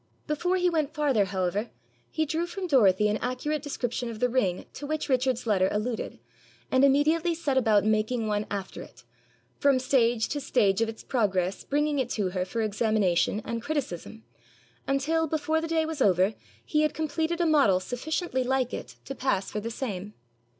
Before he went farther, however, he drew from Dorothy an accurate description of the ring to which Richard's letter alluded, and immediately set about making one after it, from stage to stage of its progress bringing it to her for examination and criticism, until, before the day was over, he had completed a model sufficiently like to pass for the same.